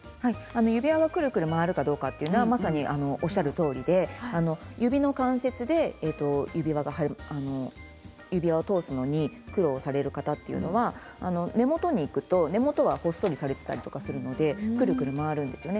指輪がくるくる回るかどうかはおっしゃるとおりで、指の関節で指輪を通すのに苦労される方というのは、根元にいくと根元がほっそりされていたりするので、くるくる回るんですよね。